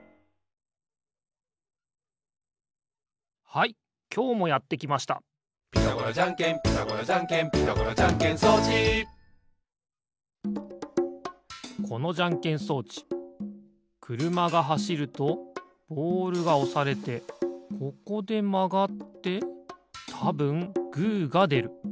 はいきょうもやってきました「ピタゴラじゃんけんピタゴラじゃんけん」「ピタゴラじゃんけん装置」このじゃんけん装置くるまがはしるとボールがおされてここでまがってたぶんグーがでる。